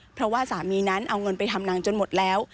เพราะว่าสามีนั้นเอาเงินไปทำนางจนหมดแล้ว